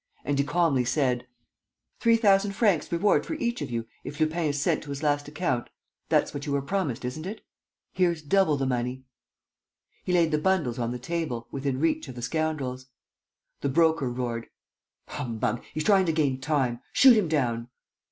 And he calmly said: "Three thousand francs' reward for each of you, if Lupin is sent to his last account? That's what you were promised, isn't it? Here's double the money!" He laid the bundles on the table, within reach of the scoundrels. The Broker roared: "Humbug! He's trying to gain time. Shoot him down!"